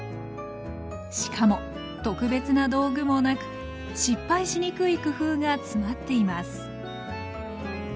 しかも特別な道具もなく失敗しにくい工夫が詰まっています